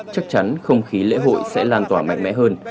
chắc chắn không khí lễ hội sẽ lan tỏa mạnh mẽ hơn